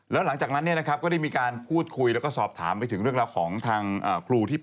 ย่าไม่ให้เข้ากรุงเทพ